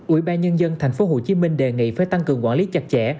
ủy ban nhân dân tp hcm đề nghị phải tăng cường quản lý chặt chẽ